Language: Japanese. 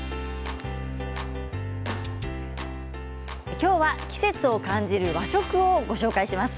今日は季節を感じる和食をご紹介します。